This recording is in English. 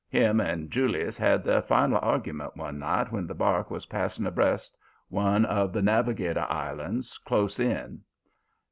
Him and Julius had their final argument one night when the bark was passing abreast one of the Navigator Islands, close in.